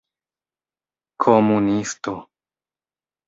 komunisto